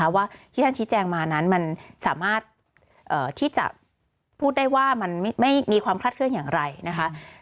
ว่าที่ท่านชี้แจงมานั้นมันสามารถที่จะพูดได้ว่ามันไม่มีความคลาดเคลื่อนอย่างไรนะคะ